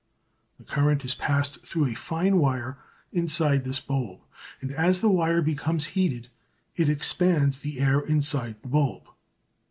The current is passed through a fine wire inside this bulb, and as the wire becomes heated it expands the air inside the bulb.